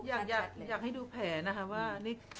อยากให้ดูแผลนะคะว่า